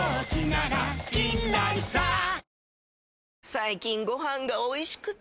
最近ご飯がおいしくて！